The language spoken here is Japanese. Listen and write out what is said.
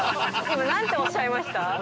今なんておっしゃいました？